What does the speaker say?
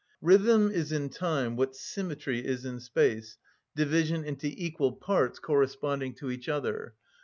Rhythm is in time what symmetry is in space, division into equal parts corresponding to each other.